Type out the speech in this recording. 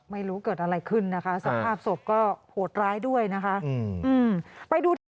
ไม่รู้เกิดอะไรขึ้นนะคะสภาพศพก็โหดร้ายด้วยนะคะไปดูที่